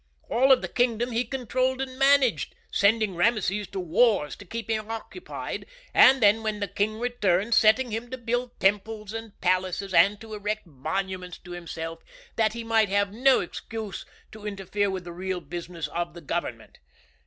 All of the kingdom he controlled and managed, sending Rameses to wars to keep him occupied, and then, when the king returned, setting him to build temples and palaces, and to erect monuments to himself, that he might have no excuse to interfere with the real business of the government.